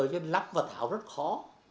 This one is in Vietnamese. nên lắp và thảo rất khó